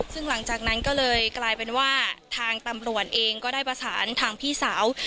ซึ่งหลังจากนั้นก็เลยกลายเป็นว่าทางตำรวจเองก็ได้ประสานทางพี่สาว